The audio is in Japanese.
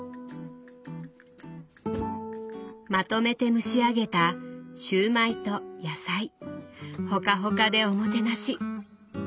まとめて蒸し上げたシューマイと野菜ほかほかでおもてなし。